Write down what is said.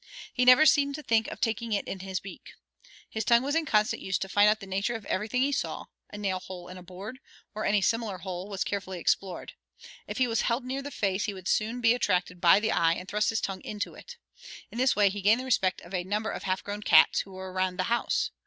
He never seemed to think of taking it in his beak. His tongue was in constant use to find out the nature of everything he saw; a nail hole in a board or any similar hole was carefully explored. If he was held near the face he would soon be attracted by the eye and thrust his tongue into it. In this way he gained the respect of a number of half grown cats that were around the house.